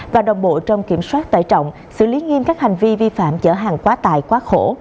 và đồng bộ trong kiểm soát tải trọng xử lý nghiêm các hành vi vi phạm chở hàng quá tài quá khổ